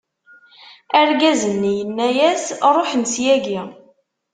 Argaz-nni yenna-yas: Ṛuḥen ssyagi.